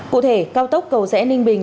cụ thể cao tốc cầu sẽ ninh bình